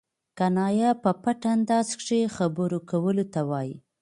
کنایه په پټ انداز کښي خبرو کولو ته وايي.